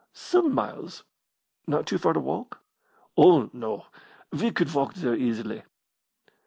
"Some miles." "Not too far to walk?" "Oh, no, we could walk there easily."